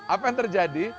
apa yang terjadi